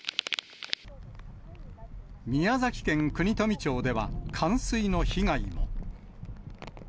宮崎県国富町では冠水の被害も。